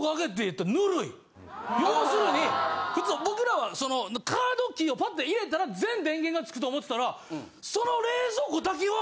要するに普通僕らはカードキーをパッて入れたら全電源がつくと思ってたらその。